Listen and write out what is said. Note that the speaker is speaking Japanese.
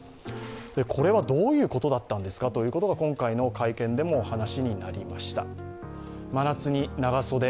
これはどういうことだったんですかというのが今回の会見でも話になりました。